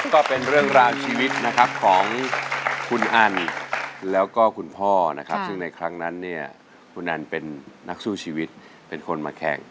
ก็เป็นเรื่องราวชีวิตนะครับของคุณอันแล้วก็คุณพ่อนะครับซึ่งในครั้งนั้นเนี่ยคุณอันเป็นนักสู้ชีวิตเป็นคนมาแข่ง